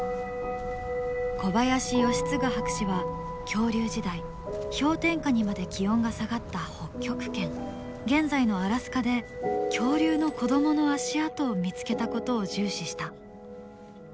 小林快次博士は恐竜時代氷点下にまで気温が下がった北極圏現在のアラスカで恐竜の子どもの足跡を見つけたことを重視した。